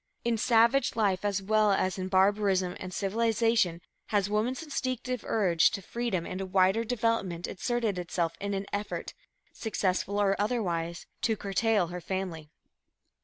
In savage life as well as in barbarism and civilization has woman's instinctive urge to freedom and a wider development asserted itself in an effort, successful or otherwise, to curtail her family.